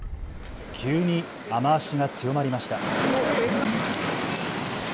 急に雨足が強まりました。